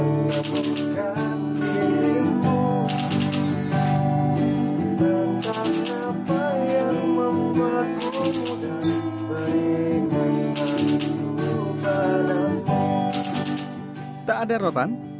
kau tuliskanmu tanpa penyakit karena aku mengapukkan dirimu